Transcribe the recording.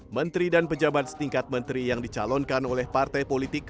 menteri dan pejabat setingkat menteri yang dicalonkan oleh partai politik